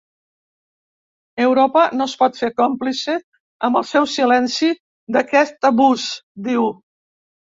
Europa no es pot fer còmplice, amb el seu silenci, d’aquest abús, diu.